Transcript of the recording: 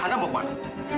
anda mau kemana